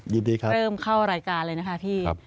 ดีครับเริ่มเข้ารายการเลยนะคะพี่